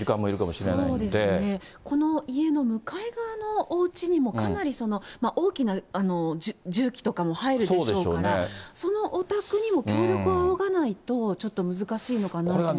そうですね、この家の向かい側のおうちにもかなり大きな重機とかも入るでしょうから、そのお宅にも協力をあおがないと、ちょっと難しいのかなと思います